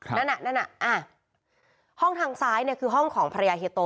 ครับนั่นอ่ะห้องทางซ้ายคือห้องของภรรยาเหตุโต